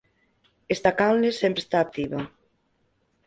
Esta canle sempre está activa.